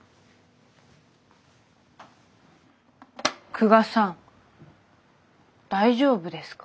久我さん大丈夫ですか？